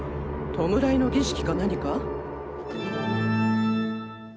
弔いの儀式か何か？